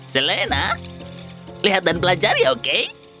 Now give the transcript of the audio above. selena lihat dan belajar ya oke